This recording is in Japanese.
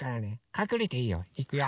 かくれていいよ。いくよ。